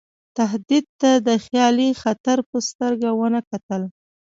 تهدید ته د خیالي خطر په سترګه ونه کتل.